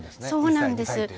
そうなんです。